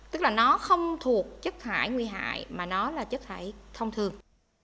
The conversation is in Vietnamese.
tức là nó không thuộc chất thải nguy hại mà nó là chất thải thông thường